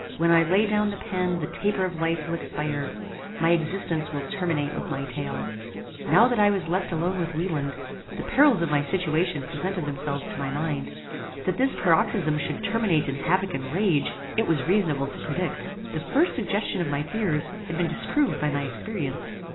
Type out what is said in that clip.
When I lay down the pen the taper of life will expire: my existence will terminate with my tale. Now that I was left alone with Wieland, the perils of my situation presented themselves to my mind. That this paroxysm should terminate in havock and rage it was reasonable to predict. The first suggestion of my fears had been disproved by my experience.